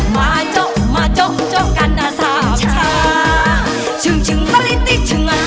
มาโจ๊ะมาโจ๊ะโจ๊ะกันอ่ะสามชาชึ่งชึ่งตริติชึงอ่ะ